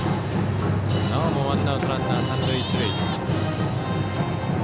なおもワンアウトランナー、三塁一塁。